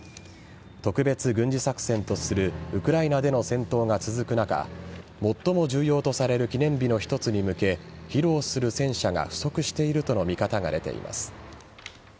特別軍事作戦とするウクライナでの戦闘が続く中最も重要とされる記念日の一つに向け披露する戦車が不足しているとの見方が出ています。